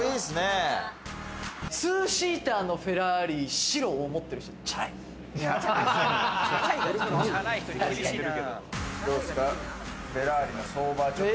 ２シーターのフェラーリ、白を持ってる人チャラい。